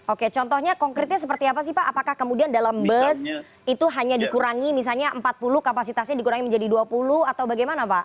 oke contohnya konkretnya seperti apa sih pak apakah kemudian dalam bus itu hanya dikurangi misalnya empat puluh kapasitasnya dikurangi menjadi dua puluh atau bagaimana pak